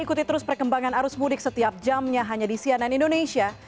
ikuti terus perkembangan arus mudik setiap jamnya hanya di cnn indonesia